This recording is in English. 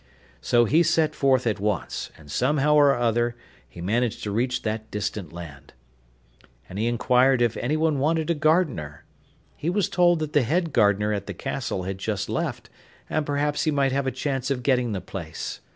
So he set forth at once, and, somehow or other, he managed to reach that distant land. And he enquired if anyone wanted a gardener. He was told that the head gardener at the castle had just left, and perhaps he might have a chance of getting the place.